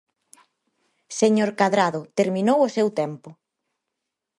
Señor Cadrado, terminou o seu tempo.